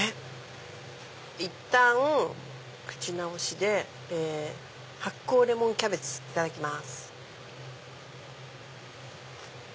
いったん口直しで発酵レモンキャベツいただきます。